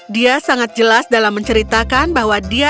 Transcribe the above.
dia sangat jelas dalam menceritakan bahwa dia adalah seorang kakak